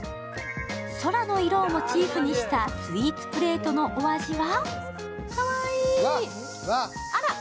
空の色をモチーフにしたスイーツプレートのお味は？